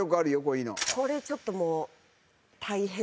これちょっともう。